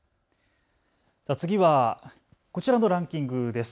次はこちらのランキングです。